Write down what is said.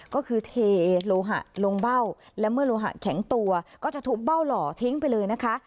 ก็คือเทโลหะลงเบ้าและเมื่อโลหะแข็งตัวก็จะทุบเบ้าหล่อทิ้งไปเลยนะคะ